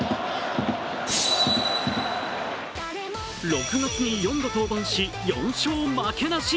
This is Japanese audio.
６月に４度登板し、４勝負けなし！